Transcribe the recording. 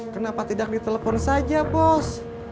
kenapa tidak di telepon saja bos